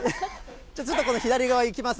ちょっと左側行きます。